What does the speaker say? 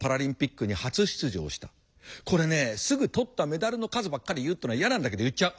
これねすぐ取ったメダルの数ばっかり言うっていうのは嫌なんだけど言っちゃう。